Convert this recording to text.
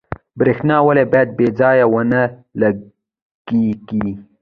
برښنا ولې باید بې ځایه ونه لګیږي؟